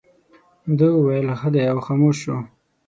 ده وویل ښه دی او خاموش شو.